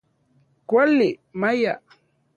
Kuali, maya.